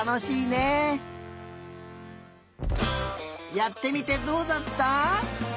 やってみてどうだった？